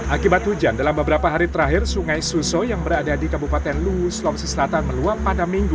akibat hujan dalam beberapa hari terakhir sungai suso yang berada di kabupaten luwu sulawesi selatan meluap pada minggu